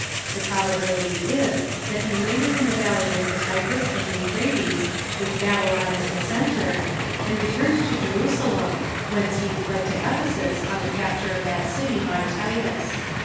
The probability is, that he labored in the valley of the Tigris and Euphrates, Avith Babylon as the centre, and returned to Jerusalem, whence he fled to Ephesus on the capture of that city by Titus.